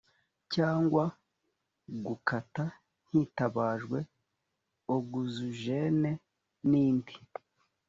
cyangwa gukata hitabajwe oguzijene n indi